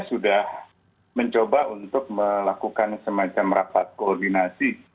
sudah mencoba untuk melakukan semacam rapat koordinasi